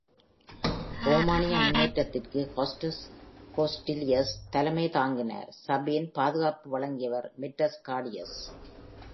ரோமானிய முன்னேற்றத்திற்கு ஹோஸ்டஸ் ஹோஸ்டிலியஸ் தலைமை தாங்கினார் சபீன் பாதுகாப்பு வழங்கியவர் மெட்டஸ் கர்டியஸ்.